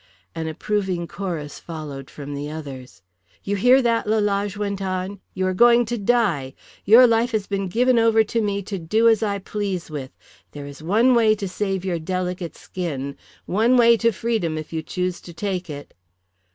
An approving chorus followed from the others. "You hear that?" Lalage went on. "You are going to die. Your life has been given over to me to do as I please with. There is one way to save your delicate skin, one way to freedom if you choose to take it."